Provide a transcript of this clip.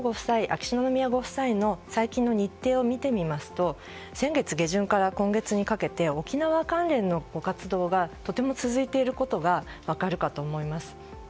秋篠宮ご夫妻の最近の日程を見てみますと先月下旬から今月にかけて沖縄関連のご活動がとても続いていることが分かるかと思います。